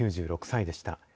９６歳でした。